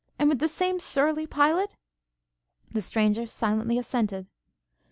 and with the same surly pilot?' The stranger silently assented.